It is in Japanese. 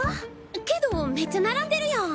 けどめっちゃ並んでるやん！